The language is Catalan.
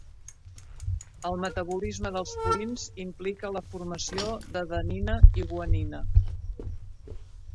El metabolisme dels purins implica la formació d"adenina i guanina.